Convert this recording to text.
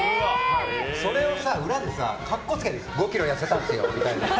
それを裏で格好つけて５ｋｇ痩せたんですよみたいな。